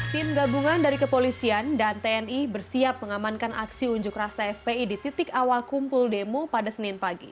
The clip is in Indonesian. tim gabungan dari kepolisian dan tni bersiap mengamankan aksi unjuk rasa fpi di titik awal kumpul demo pada senin pagi